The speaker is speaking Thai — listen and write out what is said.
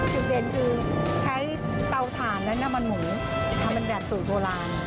จุดเด่นคือใช้เตาถ่านและน้ำมันหมูทำเป็นแบบสูตรโบราณ